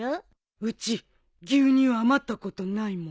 うち牛乳余ったことないもん。